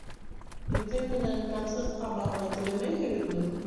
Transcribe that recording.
Беҙҙең менән концертҡа барырға теләмәйһегеҙме?